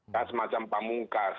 kan semacam pamungkas